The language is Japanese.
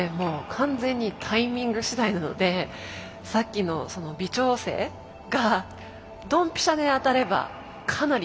完全にタイミングしだいなのでさっきの微調整がドンピシャで当たればかなりいくと思うので。